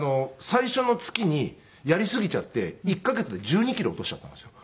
最初の月にやりすぎちゃって１カ月で１２キロ落としちゃったんですよ。